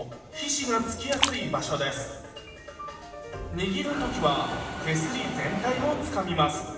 握る時は手すり全体をつかみます。